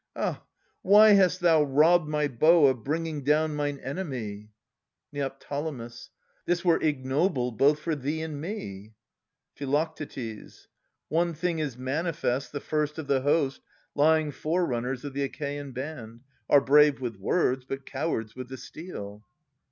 Ah ! Why hast thou ^robbed My bow of bringing down mine enemy ? Neo. This were ignoble both for thee and me. Phi. One thing is manifest, the first o' the host. Lying forerunners of the Achaean band, Are brave with words, but cowards with the steel.